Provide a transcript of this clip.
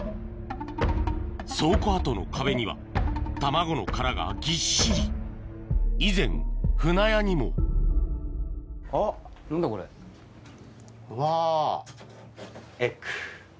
倉庫跡の壁には卵の殻がぎっしり以前舟屋にもうわ。